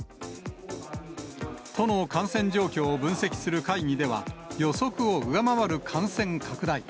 都の感染状況を分析する会議では、予測を上回る感染拡大。